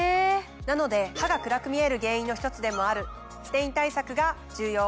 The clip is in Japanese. なので歯が暗く見える原因の１つでもあるステイン対策が重要。